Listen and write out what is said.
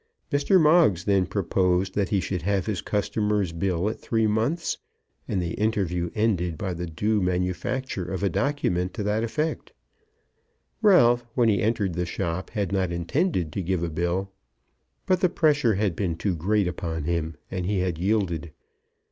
Mr. Moggs then proposed that he should have his customer's bill at three months, and the interview ended by the due manufacture of a document to that effect. Ralph, when he entered the shop, had not intended to give a bill; but the pressure had been too great upon him, and he had yielded.